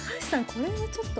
これはちょっと。